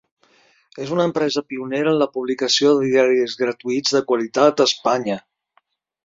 És una empresa pionera en la publicació de diaris gratuïts de qualitat a Espanya.